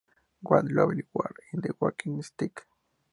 What a Lovely War" y "The Walking Stick".